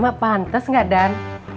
mak pantes gak dan